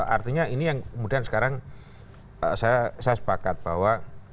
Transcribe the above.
artinya ini yang kemudian sekarang saya sepakat bahwa